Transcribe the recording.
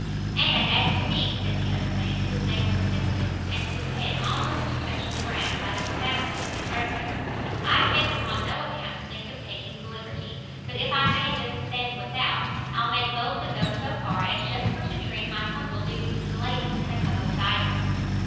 "And as to me," said the other man, whose name was Simkins, and whose head almost touched the ground by the profoundness of his reverence, "I can't upon no account think of taking the liberty; but if I may just stand without, I'll make bold to go so far as just for to drink my humble duty to the ladies in a cup of cyder."